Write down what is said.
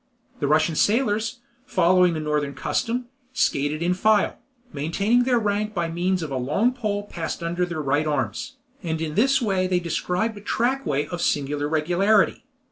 The Russian sailors, following a northern custom, skated in file, maintaining their rank by means of a long pole passed under their right arms, and in this way they described a trackway of singular regularity.